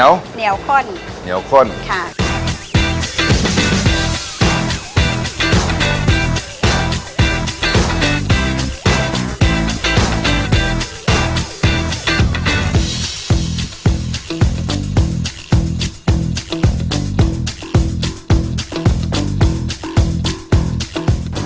เนียวข้อดีเนียวข้นค่ะ